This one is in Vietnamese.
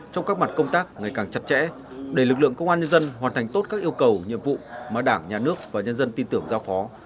trong các mặt công tác ngày càng chặt chẽ để lực lượng công an nhân dân hoàn thành tốt các yêu cầu nhiệm vụ mà đảng nhà nước và nhân dân tin tưởng giao phó